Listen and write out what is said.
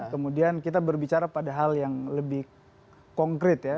kemudian kita berbicara pada hal yang lebih konkret ya